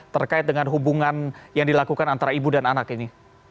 terkait dengan hubungan yang dilakukan antara ibu dan anak ini